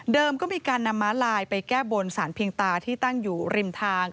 ก็มีการนำม้าลายไปแก้บนสารเพียงตาที่ตั้งอยู่ริมทาง